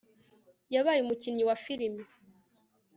yabaye umukinnyi wa filime